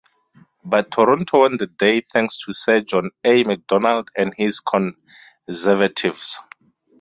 But Toronto won the day thanks to Sir John A. Macdonald and his Conservatives.